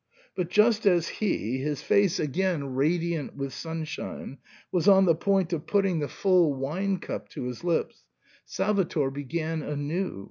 But just as he, his face again radiant with sunshine, was on the point of putting the full wine cup to his lips, Salvator began anew.